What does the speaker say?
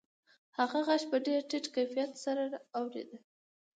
هغه غږ په ډېر ټیټ کیفیت سره اورېده